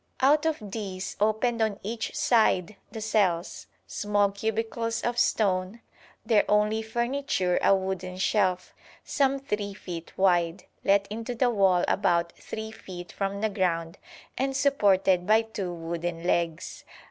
Out of these opened on each side the cells, small cubicles of stone, their only furniture a wooden shelf, some three feet wide, let into the wall about three feet from the ground and supported by two wooden legs.